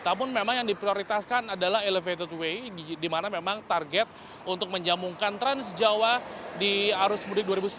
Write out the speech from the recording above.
namun memang yang diprioritaskan adalah elevated way di mana memang target untuk menjamungkan transjawa di arus mudik dua ribu sembilan belas